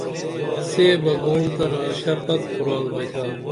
سے بہ گوم تہ راشہ پک کُرال بیئتھا